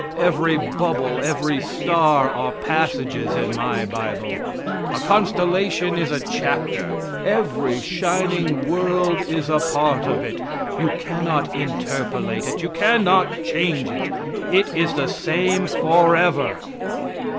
Every bubble, every star, are passages in my bible. A constellation is a chapter. Every shining world is a part of it. You cannot interpolate it; you cannot change it. It is the same forever.